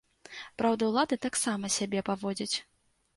Праўда, улады так сама сябе паводзяць.